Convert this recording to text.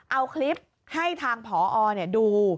เอาคลิปให้ทางผอดู